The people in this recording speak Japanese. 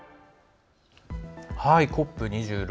ＣＯＰ２６。